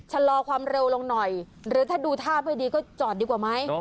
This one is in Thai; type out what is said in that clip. ชะลอความเร็วลงหน่อยหรือถ้าดูท่าไม่ดีก็จอดดีกว่าไหม